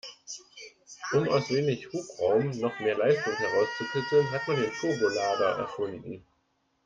Um aus wenig Hubraum noch mehr Leistung herauszukitzeln, hat man Turbolader erfunden.